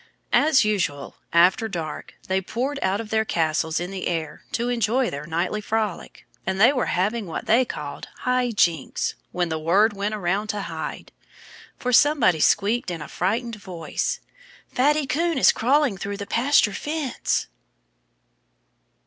As usual, after dark they poured out of their castles in the air to enjoy their nightly frolic. And they were having what they called "high jinks" when the word went around to hide. For somebody squeaked in a frightened voice: "Fatty Coon is crawling through the pasture fence!"